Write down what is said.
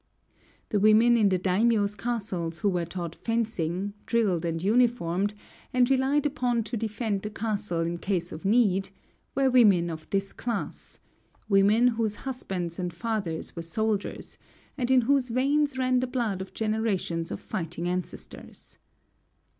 The women in the daimiōs' castles who were taught fencing, drilled and uniformed, and relied upon to defend the castle in case of need, were women of this class, women whose husbands and fathers were soldiers, and in whose veins ran the blood of generations of fighting ancestors.